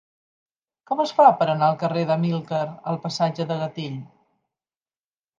Com es fa per anar del carrer d'Amílcar al passatge del Gatell?